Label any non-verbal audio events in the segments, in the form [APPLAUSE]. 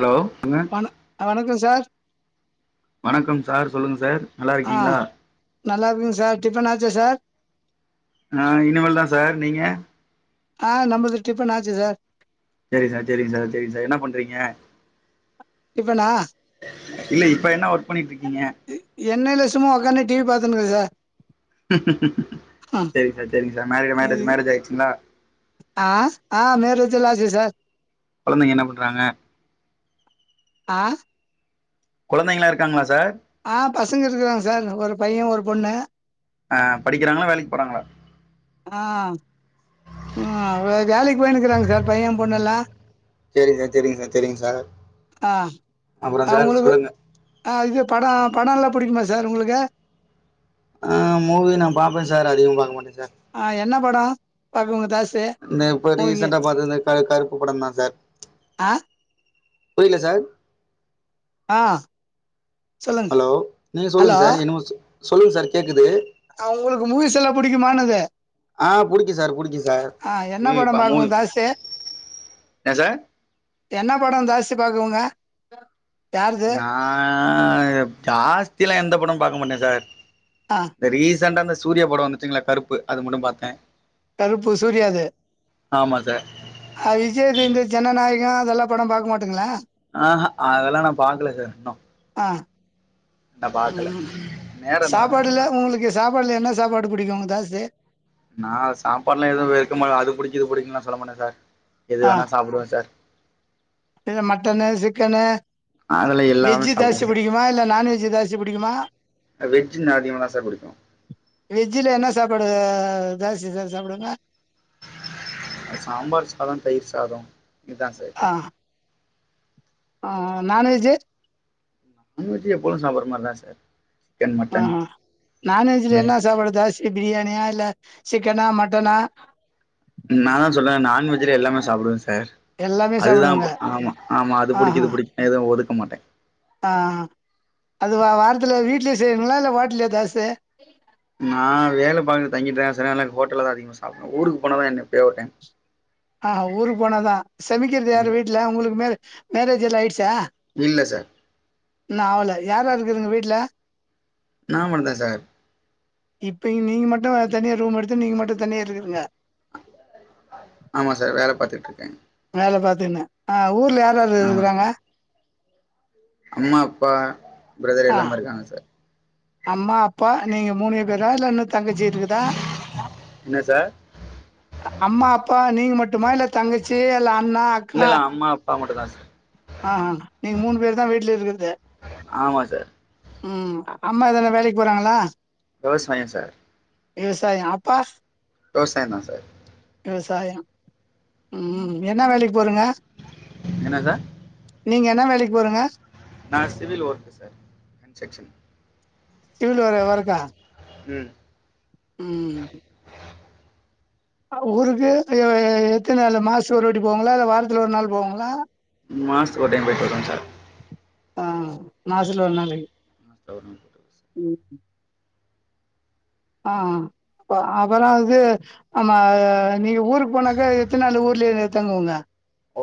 Hello ங்க வண வணக்கம் சார் வணக்கம் சார் சொல்லுங்க சார் நல்லா ஆ இருக்கீங்களா நல்லா இருக்குங்க சார் டிஃபன் ஆச்சா சார் ஆஹ இனிமேல் தான் சார் நீங்க ஆ நம்ளுக்கு டிஃபன் ஆச்சு சார் செரி சார் செரிங்க சார் செரி சார் என்ன பண்றீங்க? டிஃபனா இல்ல இப்ப என்ன ஒர்க் பண்ணிட்ருக் கீங்க? என்னயில்ல சும்மா ஒக்காந்து டி வி பாத்துனுக்கெ‌ சார் ம் செரி சார் செரிங்க சார் மேரி இது மேரேஜ் மேரேஜ் ஆயிருச்சுங்ளா? ஆ அ மேரெஜல்லா ஆச்சு சார் கொழந்தைங்க என்ன பண்றாங்க? ஆ குழந்தைங்ளா இருக்காங்ளா சார்? ஆ பசங்க இருக்குறாங்க சார் ஒரு பைய ஒரு பொண்ணு ஆ படிக்கிறாங்களா? வேலைக் போறாங்களா? ஆ அ வ வேலைக் போயினுக்குறாங்க சார் பைய பொண்ணெல்லா சரிங்க சார் சரிங்க சார் சரிங்க சார் ஆ அப்புறோ அ சார் உங்குளுகு சொல்லுங்க அ இது படொ படொல்லா புடிக்குமா சார் உங்ளுக்க ஆ மூவி நா பாப்பே சார் அதிகம் பாக்க மாட்டே சார் ஆ என்ன படொ [UNINTELLIGIBLE] இந்த இப்ப ரீசண்டா பாத்தந்த க கருப்பு படந்தா சார் ஆ புரில சார் ஆ சொல்லுங்க ஹலோ நீங்க சொல்லுங்க சார் என்னமோ சொ சொல்லுங்க சார் கேக்குது ஆ உங்களுக்கு மூவீஸ் எல்லா பிடிக்குமா என்னது ஆ புடிக்கும் சார் புடிக்கும் சார் ஆ என்ன மூவி படோ பா பாக்குவோ மூவி ஜாஸ்தி என்ன சார் என்ன படோ ஜாஸ்தி பாக்குவீங்க? ஆ நா ஜாஸ்திலா எந்த படம் பாக்க மாட்டே சார் ஆ இந்த ரீசண்டா இந்த சூர்யா படோ வந்துச்சுங்ல கருப்பு அது மட்டு பாத்தே கருப்பு சூர்யாது ஆமா சார் ஆ விஜய்து இந்த ஜனநாயகோ அதல்லா படோ பாக்க மாட்டீங்களா ஆஹா அதெல்லா நா பாக்கல சார் இன்னு ஆ நா பாக்கல உம் நேரோ இருந்தா தானே சார் சாப்பாடுல பாக்க உங்களுக்கு சாப்பாடுல என்ன சாப்பாடு புடிக்கு ஜாஸ் தி நா சாப்பாடுல்லா எதுவு வெறுக்கமாட்டே அது புடிக்கு இது புடிக்குன்லா சொல்லமாட்டே சார் எது வேண்ணா சாப்புடுவே சார் இது மட்டனு சிக்கனு அதுல எல்லாமே வெஜ்ஜு சாப்டுவே ஜாஸ்தி சார் புடிக்குமா இல்ல நான்வெஜ்ஜு ஜாஸ்தி புடிக்குமா வெஜ்ஜுனா அதிகமா தா சார் புடிக்கு வெஜ்ஜுல என்ன சாப்பாடு ஜாஸ்தி எத சாப்டுவீங்க? அ சாம்பார் சாதோ தயிர் சாதோ இதா சார் ஆ ஆ நான்வெஜ்ஜு நான்வெஜ்ஜு எப்போது சாப்டற மாரிதா சார் சிக்கன் மட்டன் ஆஹா நான்வெஜ்ல மீன் என்ன சாப்பாடு ஜாஸ்தி பிரியாணியா இல் ல சிக்கனா மட்டனா நாந்தா சொல்றனே நான்வெஜ்ல எல்லாமே சாப்டுவே சா சார் எல்லாமே அதுதா சாப்பிடுவோங்க இப்போ ஆமா ஆமா அது ஆஹா புடிக்குது புடிக் எதுவு ஒதுக் க மாட்டே ஆ அது வா வாரத்துல வீட்லயே செய்வீங்களா இல்ல ஓட்டல்லயா ஜாஸ்தி நா வேல பாக்கறது தங்கிதா சார் அதனால ஹோட்டல்லதா அதிகமா சாப்டுவ ஊருக்கு போனாதா என்ன எப்பயோ ஒரு டைம் ஆஹா ஊருக்கு போனாதா சமிக்கிறது யாரு ம் வீட்ல உங்களுக்கு மேரு மேரேஜ் எல்லா ஆயிடுச்சா இல்ல சார் இன்னு ஆவல யார் யாரு இருக்கறீங்க வீட்ல? நா மட்டுந்தா சார் இப்ப நீங்க மட்டு தனியா ரூம் எடுத்து நீங்க மட்டு தனியா இருக்குறீங்க ஆமா சார் வேல பாத்துட்டு இருக்கேன் இது என்னா ஆஹ் ஊர்ல யார் யார் இருக்குறாங்க அம்மா அப்பா பிரதர் ஆ எல்லாம இருக்காங்க சார் அம்மா அப்பா நீங்க மூணே பேர் இல்ல இன்னும் தங்கச்சி இருக்குதா என்ன சார் அம்மா அப்பா நீங்க மட்டுமா இல்ல தங்கச்சி [UNINTELLIGIBLE] அண்ணா இல்ல அக்கா இல்ல அம்மா அப்பா மட்டுந்தா சார் ஆஹ் ஆஹ் நீங்க மூணு பேரு தான் வீட்டுல இருக்குது ஆமா சார் உம் அம்மா எதனா வேலைக்கு போறாங்களா விவசாயம் சார் விவசாயம் அப்பா விவசாய தான் சார் விவசாயம் உம் என்ன வேலைக்கு பொருங்க என்ன சார் நீங்க என்ன வேலைக்கு போரங்க நான் civil work sir construction civil உம் உம் ஊருக்கு எத்தன மாசு ஒருவாட்டி போவாங்களா இல்ல வாரத்துல ஒரு நாள் போவாங்களா மாசத்துக்கு ஒரு டைம் போய்ட்டு வருவேன் சார் ஆஹ் மாசதுல ஒரு நாளைக்கு ஹலோ [UNINTELLIGIBLE] உம் ஆஹ் அ அப்பறம் வந்து நம்ம நீங்க ஊருக்கு போனாக்கா எத்தனாலு ஊர்ல த்தங்குவங்க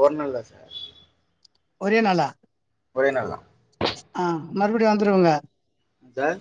ஒரு நாள்தா சார் ஒரே நாளா ஒரே நாள் தான் மறுபடியும் வந்துருவங்க சார்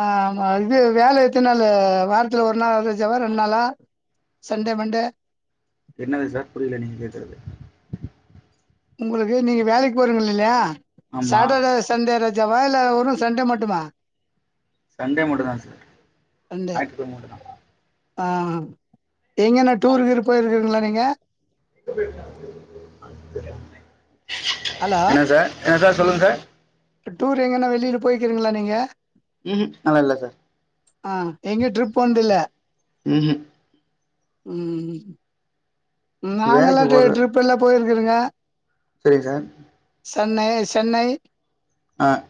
ஆஹ் ம இது வேல எத்தநாளு வாரத்ல ஒரு நாள் செவ்வா ரெண்டு நாளா சண்டே மண்டே என்னது சார் புரியல நீங்க கேட்கறது உங்களுக்கு நீங்க வேலக்கு போறவங்க இல்லையா ஆமாம் சாட்டர்டே சண்டே ரஜ் வாயல வ வெறும் சண்டே மட்டுமா சண்டே மட்டும்தான் சார் ஞாயிற்றுக்கெழம மட்டும்தான் ஆஹ் [UNINTELLIGIBLE] எங்கன டூருக்கு கீரு போயிருக்கக்குங்களா நீங்க [INAUDIBLE] என்ன சார் என்ன சார் சொல்லுங்க சார் இ டூர் எங்கன்னா வெளியூர் போய்க்கிறீங்களா நீங்க ம் நல்லா இல்லை சார் ஆஹ் எங்க ட்ரிப் போனதில்லை ம் உம் நாங்க வேலைக்கு எல்லாம் போகிறது ட்ரிப் எல்லாம் போயிருந்தோம் இருக்குங்க சரிங்க சார் [UNINTELLIGIBLE] சென்னை சென்னை ஆஹ்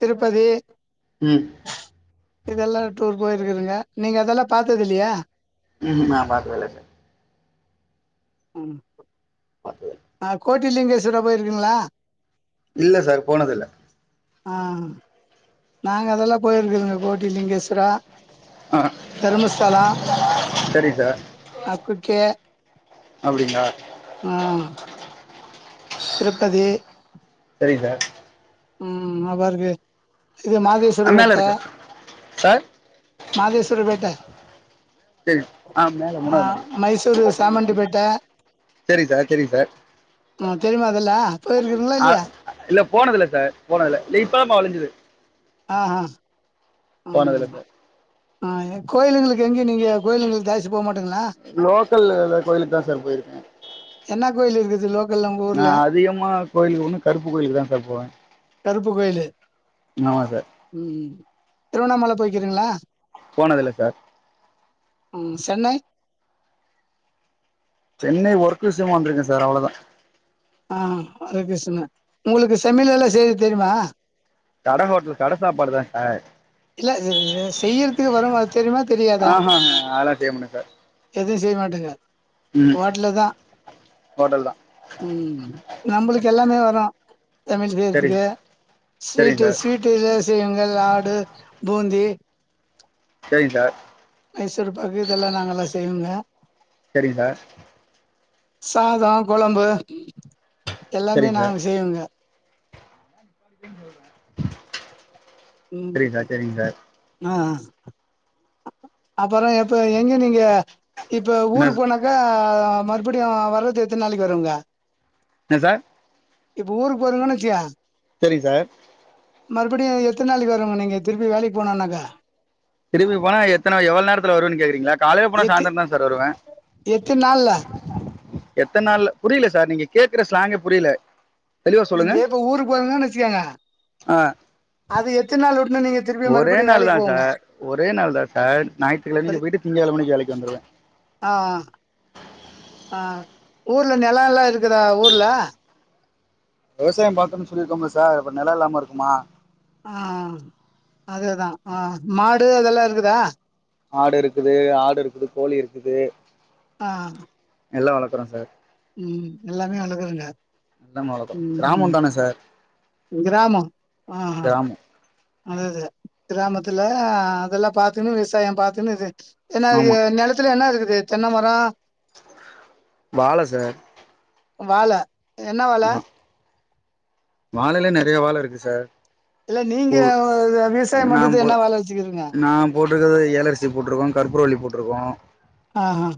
திருப்பதி ம் இது எல்லாம் டூர் போயிருக்கு குளங்கள் நீங்க அதல்லாம் பாத்தது இல்லையா? உம் நா பாத்தது இல்ல உஹம் [UNINTELLIGIBLE] ஆஹ் கோட்டிலிங்கேஸ்வரா போயிருக்குங்களா? இல்ல சார் போனதுல்ல ஆஹ் நாங்கள் அதெல்லா போயிருக்குதுங்க கோட்டி லிங்கேஸ்வர ஆ தரும ஸ்தலம் சரிங்க அகுக்கே அப்டிங்களா ஆஹ் திருப்பதி செரிக்க சார் உம் அவர்களுக்கு இது மாதேஸ்வர ஆ மேலே வேட்ட இருக்கு சார் மாதேஸ்வர பேட்ட சரி ஆ மேலே மூணாவது ஆஹ் மாடி மைசூரு சாமண்டிப்பேட்ட சரி சார் சரி சார் உம் தெரிமா அதல்லா போய்ருக்கிறிங்ளா இல்லயா போனதுல சார் போனதுல இல்ல இப்பதான்மா விளைஞ்சுது [UNINTELLIGIBLE] ஆஹ் ஆஹ் உம் சார் ஆ கோயிலுங்களுக்கு எங்க நீங்க கோயிலுங்களுக்கு போ மாட்டீங்களா லோக்கல்ல கோயிலுக்கு தான் சார் போயிருக்கேன் என்ன கோயில் இருக்குதுலோ நா அதிகமா கோயிலுக்கு ஒன்னு கருப்பு கோயிலுக்குதான் சார் போவேன் கருப்பு கோயிலு ஆமா சார் திருவண்ணாமல போய்க்கிறீங்களா போனதில சார் உம் சென்னை சென்னை ஒர்க் விஷயமா வந்துயிருக்கேன் சார் அவ்வளவுதான் ஆஹ் அதுகோஷண உங்களுக்கு செயினலுல்லா செய்தி தெரியுமா கட ஹோட்டல் கட சாப்பாடு தான் சார் இல்ல செய்யறதுக்கு வரும் அது தெரியுமா தெரியாதா ஆஹா அதெல்லாம் செய்ய மாட்டேன் சார் எதுவும் செய்ய மாட்டிங்க ம் ஹோட்டலு தான் ஹோட்டல் தான் உம் நம்பளுக்கு எல்லாமே வரும் சமையல் செய்றதுக்கு சரிங்க சரிங்க ஸ்வீட்டு சார் ஸ்வீட்டு இதல்செய்வாங்க லாடு பூந்தி சேரிங்க சார் மைசூர் பாக்கு இதெல்லாம் நாங்கெல்லாம் செய்வோங்க சேரிங்க சார் சாதா குழம்பு எல்லாமே சரிங்க நாங்க சார் செய்வோங்க [INAUDIBLE] உம் சரிங்க சார் சரிங்க சார் ஆஹ் ஆஹ் அப்பறம் எப்ப எங்க நீங்க இப்போ என்ன ஊருக்கு போனாக்கா மறுபடியும் வரது எத்த நாளக்கி வருவிங்க என்ன சார் இப்ப ஊருக்கு போறங்கன்னு வச்சியா சேரி சார் மறுபடியோ எத்தன நாளைக்கு வருங்க நீங்க திருப்பி வேலக்கு போனன்னாக்கா திருப்பி போனா எத்தன எவ்ளா நேரத்துல வருவேன்னு கேக்குறீங்களா காலையில போன எத்தி சாய்ந்தறா தான் சார் வருவேன் எத்தின் நாள்ல எத்தன நாள் புரியல சார் நீங்க கேக்குற ஸ்லாங்கே புரியல தெளிவா சொல்லுங்க நீங்க இப்ப ஊருக்கு போங்க வச்சுக்கோங்க ஆ அது எத்தன நாள் உடன நீங்க திருப்பி ஒரே மறுபடியு நாள் வேலைக்கு தான் போவங்க சார் ஒரே நாள் தான் சார் ஒரு ஞாயி்றுக்கிழமைக்கு போயிட்டு திங்கட்கிழமை அன்னைக்கு வேலைக்கு வந்துருவேன் ஆ ஆ ஊர்ல நிலம்லாம் இருக்குதா ஊர்ல விவசாயம் பாத்தோம்ன்னு சொல்லிருக்கோம்ள சார் இப்ப நிலம் இல்லாம இருக்குமா ஆஹ் அதுதான் ஆஹ் மாடு அதெல்லாம் இருக்குதா ஆடு இருக்குது ஆடு இருக்குது கோழி இருக்குது ஆஹ் எல்லாம் வளர்க்கறோம் சார் உம் எல்லாமே வழகுறீங்க எல்லாமே வளர்க்குறோ உம் உம் கிராமம் தானே சார் கிராமம் ஆஹ் ஆஹ் கிராமம் அதது கிராமத்தில் அதெல்லாம் பார்த்துன்னு விவசாயம் பார்த்துன்னு இது என்னக்கு நிலத்துல என்ன இருக்குது அது தென்ன மரம் வாழை சார் வாழை என்ன வாழை வாழையில நிறைய வாழை இருக்கு சார் இல்ல நீங்க விவசாயம் நான் பண்றது போ என்ன வாழ வச்சுக்கிறீங்க நான் போட்டிருக்கது ஏலரிசி போட்டிருக்கோம் கருற்பூரவல்லி போட்டிரு இருக்கும் ஆஹ் ஆஹ்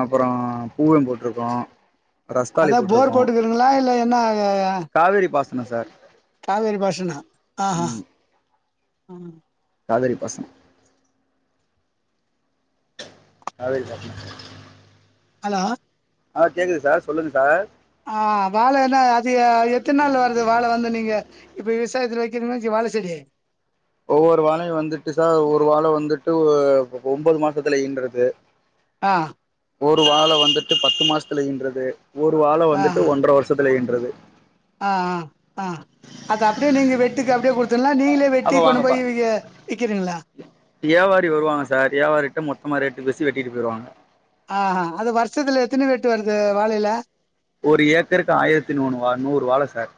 அப்பறம் பூவும் போட்ருக்கோம் அதா போர் போட்டுக்கறங்களா இல்ல என்ன ஆஹ் காவேரி பாசனம் சார் உம் காவேரி பாசனம் அ [UNINTELLIGIBLE] ஹலோ ஆஹ் கேக்குது சார் சொல்லுங்க சார் ஆஹ் வாழை என்ன அது எத்தன நாள் வருது வாழை வந்து நீங்க இப்ப விவசாயத்துல வக்கிறதுன்னா வாழை செடி ஒவ்வொரு வாழையும் வந்துட்டு சார் ஒரு வாழை வந்துட்டு ஒன்பது மாசத்துல ஈன்றது ஆஹ் ஒரு வாழை வந்துட்டு பத்து மாசத்துல ஈன்றது ஒரு வாழை வந்துட்டு ஒன்றரை வருஷத்துல ஈன் றது ஆஹ் ஆஹ் ஆஹ் அது அப்படியே நீங்க வெட்டுக்கு அப்படியே கொடுத்து இதெல்லாம் நீங்களே வெட்டி கொண்டு போய் விக்கிறீங்களா வியாபாரி வருவாங்க சார் வியாபாரிகிட்ட மொத்தமா ரேட்டு பேசி வெட்டிட்டு போயிருவாங்க ஆஹ் ஆஹ் அது வருஷத்துல எத்தன வெட்டு வருது வாழையில ஒரு ஏக்கருக்கு ஆயிரத்தி நூணு நூறு வாழை சார்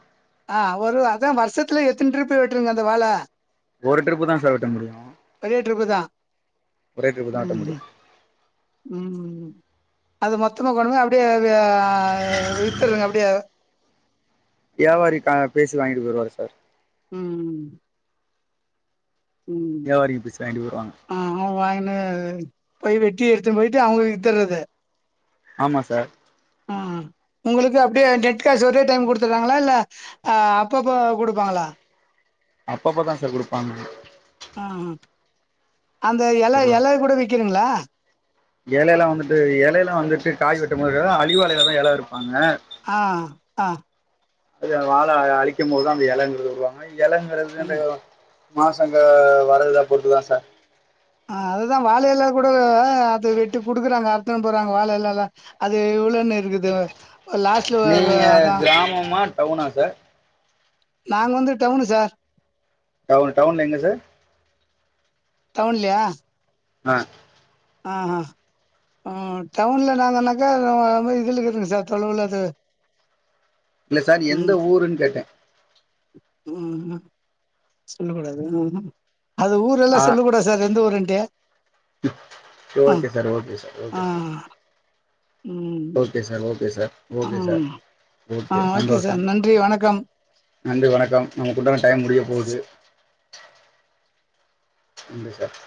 ஆ ஒரு அதான் வருஷத்துல எத்தநடிருப்பு வெட்டுருங்க அந்த வாழை ஒரு ட்ரிப்பு தான் சார் வெட்ட முடியும் பெரிய ட்ரிப்பு தா ஒரே ட்ரிப்பு தான் வெட்ட ம் முடியும் ம் அது மொத்தமா கொண்டுபோ அப்டியே வித்துடுங்க அப்படியே வியாபாரி பேசி வாங்கிட்டு போடுவார் சார் உம் உம் வியாவாரிங்க பேசி வாங்கிட்டு போயிருவாங்க ஆஹ் வாங்கினு போய் வெட்டி எடுத்துன் போட்டு அவங்க வித்துறது ஆமா சார் ஆஹ் உங்களுக்கு அப்படியே நெட் காசு ஒரே டைம் கொடுத்துறாங்களா இல்ல அப்பப்போ கொடுப்பாங்களா அப்ப அப்ப தான் சார் கொடுப்பாங்க ஆஹ் ஹ் அந்த இலை இலை கூட வீக்குரிங்க இலயல்லாம் வந்துட்டு இலயல்லாம் வந்துட்டு காய் வெட்ட மாரி இரு அழிவலை தான் இல இருக்கும் ஆஹ் ஆஹ் அது வாழ அழிக்கும் போதுதான் அந்த இலைங்கிறது வருவாங்க இலைங்கின்றது இந்த ம் மாசங்க வரறதுதா பொறுத்துதான் சார் ஆஹ் அதுதான் வாழை இல கூட ஆஹ் அதுதான் வெட்டி குடுக்குறாங்க அர்த்துன்னு போறாங்க வாழைல்லல்லாம் அது இ்வளன்னு இருக்குது லாஸ்ட்ல நீங்க அதா கிராமமா டவுனா சார் நாங்க வந்து டவுனு சார் டவுன் டவுன்ல எங்க சார் டவுன்லயா ஆஹ் ஆஹ் ஆஹ் ஆஹ் டவுன்ல நாங்கனாக்கா இததுல இருக்குதுங்க சார் தொலவுலது இல்ல சார் எந்த ஊருன் கேட்டேன் உம் உம் சொல்ல கூடாது உம் உம் அது ஊர்ல ஆ எல்லாம் சொல்ல கூடா சார் எந்த ஊருன்டு ஆஹ் okay sir okay sir okay sir அஹ்ஹ் okay sir okay sir okay sir ம் ஆ ஓகே சந்தோஷம் சார் நன்றி வணக்கம் நன்றி வணக்கம் ந உண்டான டைம் முடிய போகுது இந்த சார்